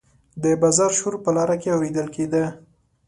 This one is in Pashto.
د بازار شور په لاره کې اوریدل کیده.